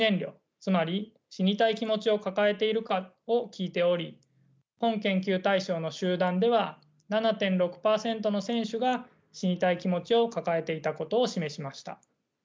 つまり死にたい気持ちを抱えているかを聞いており本研究対象の集団では７．６％の選手が死にたい気持ちを抱えていたことを示しました。